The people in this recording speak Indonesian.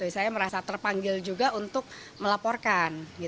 saya merasa terpanggil juga untuk melaporkan